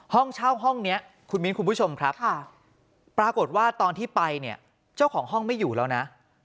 ห้องเช่าห้องนี้คุณมิ้นคุณผู้ชมครับปรากฏว่าตอนที่ไปเนี่ยเจ้าของห้องไม่อยู่แล้วนะ